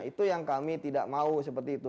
itu yang kami tidak mau seperti itu